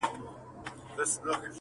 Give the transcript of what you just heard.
د ګودرونو د چینار سیوری مي زړه تخنوي -